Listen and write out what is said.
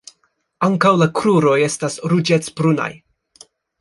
Ankaŭ la kruroj estas ruĝecbrunaj.